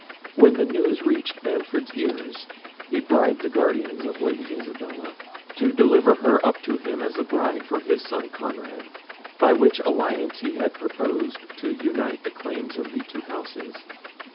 When the news reached Manfred's ears, he bribed the guardians of the Lady Isabella to deliver her up to him as a bride for his son Conrad, by which alliance he had proposed to unite the claims of the two houses.